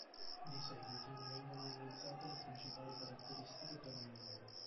Di seguito ne vengono analizzate le principali caratteristiche per ognuno.